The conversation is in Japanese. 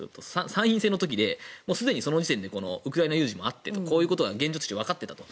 参院選の時で、すでのその時点でウクライナ有事もあってこういことが現実としてわかっていたと。